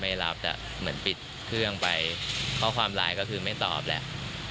ไม่รับแต่เหมือนปิดเครื่องไปข้อความไลน์ก็คือไม่ตอบแหละ